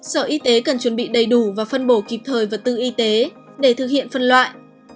sở y tế cần chuẩn bị đầy đủ và phân bổ kịp thời vật tư y tế để thực hiện phân loại